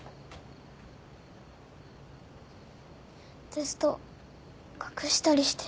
テスト隠したりして。